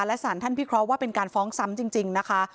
และสารท่านพิเคราะห์ว่าเป็นการฟ้องซ้ำจริงนะคะ